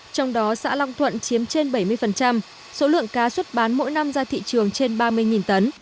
trong đó xã long thuận chiếm trên bảy mươi số lượng cá xuất bán mỗi năm ra thị trường trên ba mươi tấn